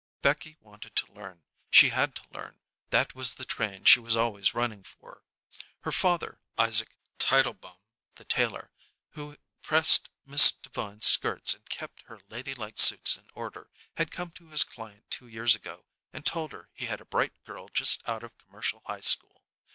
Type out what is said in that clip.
Becky wanted to learn, she had to learn; that was the train she was always running for. Her father, Isaac Tietelbaum, the tailor, who pressed Miss Devine's skirts and kept her ladylike suits in order, had come to his client two years ago and told her he had a bright girl just out of a commercial high school.